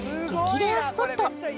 レアスポット